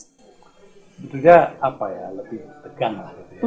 sebetulnya apa ya lebih tegang lah